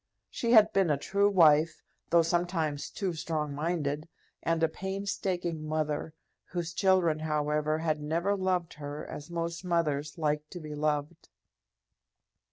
She had been a true wife, though sometimes too strong minded, and a painstaking mother, whose children, however, had never loved her as most mothers like to be loved.